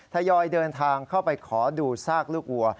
ทยอยเดินทางเข้าไปขอดูซากลูกวัว